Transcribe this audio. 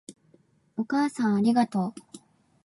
お母さんありがとう